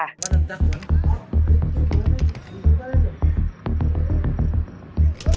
วันตะขน